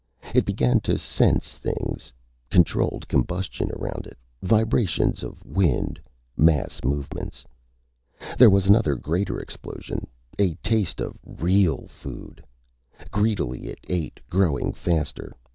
It began to sense things controlled combustion around it, vibrations of wind, mass movements. There was another, greater explosion, a taste of real food! Greedily it ate, growing faster.